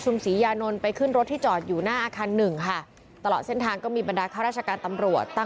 ให้ดูแลอะไรเป็นพิเศษไหมคะ